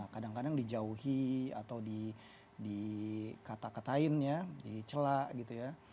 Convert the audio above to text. kadang kadang dijauhi atau dikatakatain ya dicela gitu ya